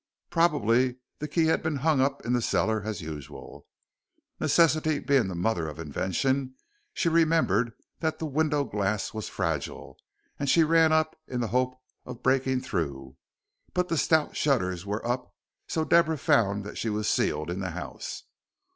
Probably the key had been hung up in the cellar as usual. Necessity being the mother of invention, she remembered that the window glass was fragile, and ran up in the hope of breaking through. But the stout shutters were up, so Deborah found that she was sealed in the house.